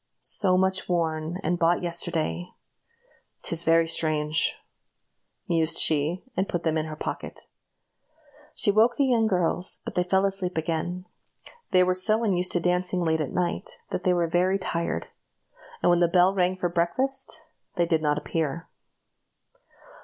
So much worn, and bought yesterday! 'Tis very strange!" mused she, and put them in her pocket. She woke the young girls, but they fell asleep again. They were so unused to dancing late at night, that they were very tired; and when the bell rang for breakfast, they did not appear.